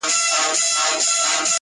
o تر مازي گټي، تُرت تاوان ښه دئ.